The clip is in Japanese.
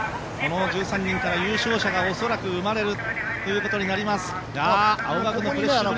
この１３人から優勝者が恐らく生まれるということになると思います。